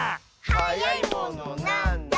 「はやいものなんだ？」